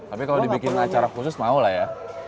tapi kalau dibikin acara khusus mau lah ya